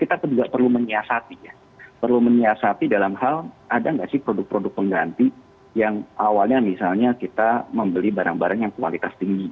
kita juga perlu menyiasati ya perlu menyiasati dalam hal ada nggak sih produk produk pengganti yang awalnya misalnya kita membeli barang barang yang kualitas tinggi